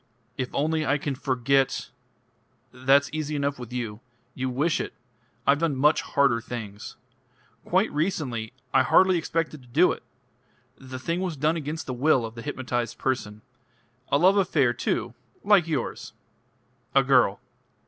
"If only I can forget " "That's easy enough with you. You wish it. I've done much harder things. Quite recently. I hardly expected to do it: the thing was done against the will of the hypnotised person. A love affair too like yours. A girl.